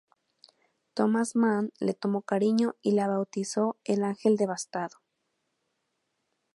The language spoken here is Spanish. Thomas Mann le tomó cariño y la bautizó "el ángel devastado".